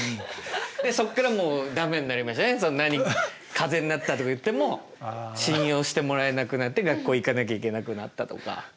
「風邪になった」とか言っても信用してもらえなくなって学校行かなきゃいけなくなったとか。